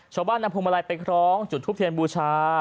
ชาวบ้านนำพวงมาลัยไปคล้องจุดทูปเทียนบูชา